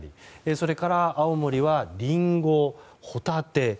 それから青森はリンゴ、ホタテ。